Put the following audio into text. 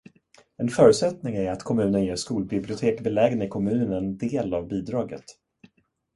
En förutsättning är att kommunen ger skolbibliotek belägna i kommunen del av bidraget.